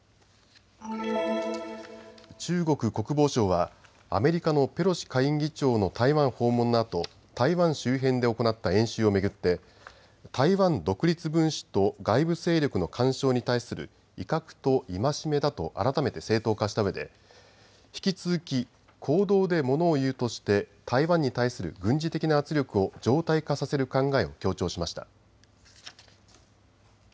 中国国防省はアメリカのペロシ下院議長の台湾訪問のあと台湾周辺で行った演習を巡って台湾独立分子と外部勢力の干渉に対する威嚇と戒めだと改めて正当化したうえで引き続き行動でものを言うとして台湾に対する軍事的な圧力を常態化させる考えを強調しました。